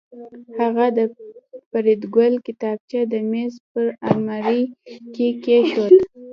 هغه د فریدګل کتابچه د میز په المارۍ کې کېښوده